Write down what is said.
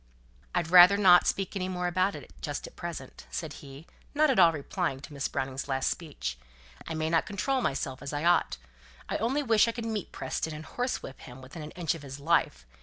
"I'd rather not speak any more about it just at present," said he, not at all replying to Miss Browning's last speech. "I may not control myself as I ought. I only wish I could meet Preston, and horsewhip him within an inch of his life.